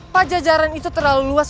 pajajaran itu terlalu luas